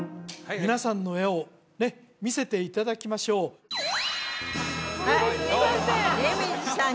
皆さんの絵をね見せていただきましょう出水さん